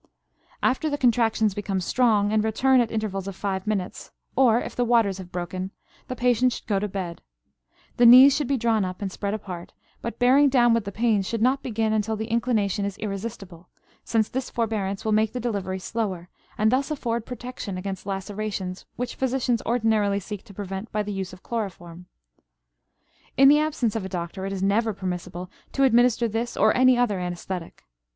After the contractions become strong and return at intervals of five minutes, or if the waters have broken, the patient should go to bed; the knees should be drawn up and spread apart, but bearing down with the pains should not begin until the inclination is irresistible, since this forbearance will make the delivery slower and thus afford protection against lacerations which physicians ordinarily seek to prevent by the use of chloroform. In the absence of a doctor it is never permissible to administer this or any other anesthetic.